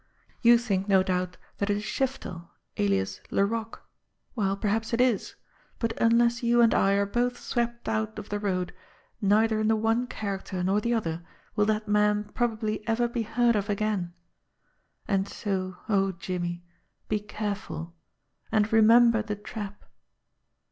You think, no doubt, that it is Shiftel, alias Laroque. Well, perhaps, it is ; but unless you and I are both swept out of the road, neither in the one character nor the other will that man prob ably ever be heard of again. And so, oh, Jimmie, be careful and remember the trap.